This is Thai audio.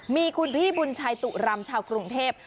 มีคุณพี่บุญชัยตุรำชาวกรุงเทพ